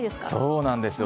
そうなんですよ。